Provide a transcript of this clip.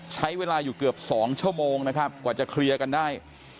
ใช้เวลาอยู่เกือบ๒ชั่วโมงนะครับกว่าจะเคลียร์กันได้